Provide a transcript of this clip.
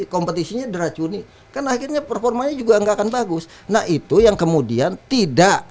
kompetisinya diracuni kan akhirnya performanya juga enggak akan bagus nah itu yang kemudian tidak